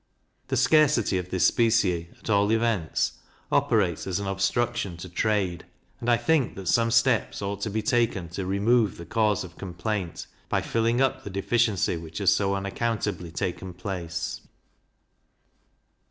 The scarcity of this specie, at all events, operates as an obstruction to trade; and I think that some steps ought to be taken to remove the cause of complaint, by filling up the deficiency which has so unaccountably taken place.